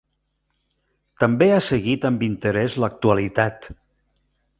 També ha seguit amb interès l'actualitat.